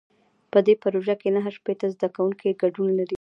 په دې پروژه کې نهه شپېته زده کوونکي ګډون لري.